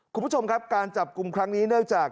คุณผู้ชมครับการจับกลุ่มครั้งนี้เนื่องจาก